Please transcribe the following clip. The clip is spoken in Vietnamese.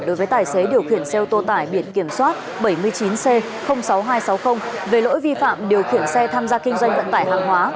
đối với tài xế điều khiển xe ô tô tải biển kiểm soát bảy mươi chín c sáu nghìn hai trăm sáu mươi về lỗi vi phạm điều khiển xe tham gia kinh doanh vận tải hàng hóa